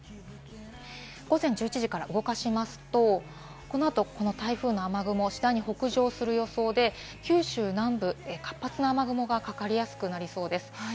午前１１時から動かしますと、このあと台風の雨雲、次第に北上する予想で、九州南部、活発な雨雲がかかりやすくなりそうです。